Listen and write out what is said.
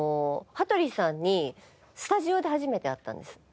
羽鳥さんにスタジオで初めて会ったんです。